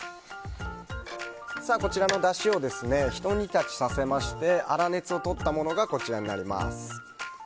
こちらのだしをひと煮立ちさせまして粗熱をとったものがこちらです。